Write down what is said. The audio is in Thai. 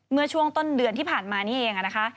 เมื่อช่วงต้นเดือนที่ผ่านมานี่เองนะคะ